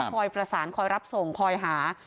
คอยประสานคอยรับส่งคอยหา